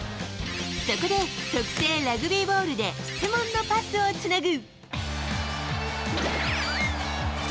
そこで、特製ラグビーボールで質問のパスをつなぐ。